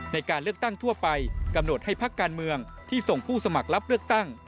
ในการเลือกตั้งทั่วไปกำหนดให้พักการเมืองที่ส่งผู้สมัครรับเลือกตั้ง